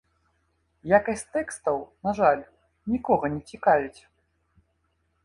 Якасць тэкстаў, на жаль, нікога не цікавіць.